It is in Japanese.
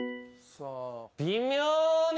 微妙に。